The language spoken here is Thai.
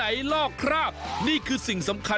วันนี้พาลงใต้สุดไปดูวิธีของชาวเล่น